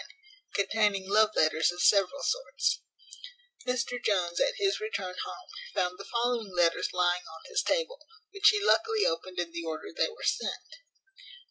Chapter ix. Containing love letters of several sorts. Mr Jones, at his return home, found the following letters lying on his table, which he luckily opened in the order they were sent.